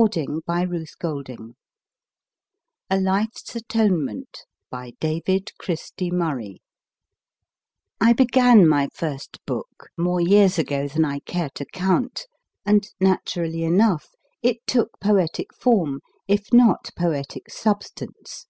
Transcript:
Fall, Baker Street) 193 A LIFE S ATONEMENT BY DAVID CHRISTIE MURRAY I BEGAN my first book more years ago than I care to count, and, naturally enough, it took poetic form, if not poetic substance.